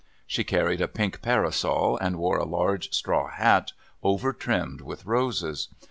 She carried a pink parasol, and wore a large straw hat overtrimmed with roses.